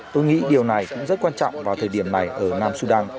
tôi nghĩ điều này cũng rất quan trọng vào thời điểm này ở nam sudan